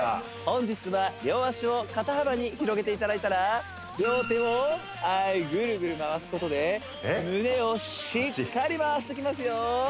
本日は両脚を肩幅に広げていただいたら両手をはいぐるぐる回すことで胸をしっかり回していきますよ